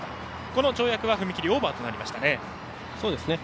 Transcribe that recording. この跳躍踏み切りオーバーとなりました。